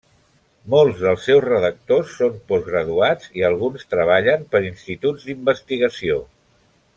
Molts dels seus redactors són postgraduats i alguns treballen per instituts d'investigació.